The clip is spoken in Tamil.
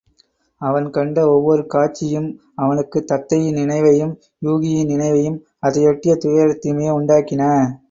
அவன் கண்ட ஒவ்வோர் காட்சியும் அவனுக்குத் தத்தையின் நினைவையும் யூகியின் நினைவையும் அதையொட்டிய துயரத்தையுமே உண்டாக்கின.